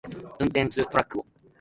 運転するトラックを